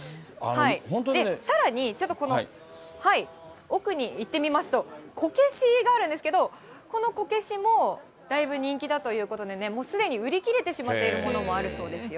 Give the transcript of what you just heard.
さらに、ちょっとこの、奥に行ってみますと、こけしがあるんですけど、このこけしも、だいぶ人気だということでね、もうすでに売り切れてしまっているものもあるそうですよ。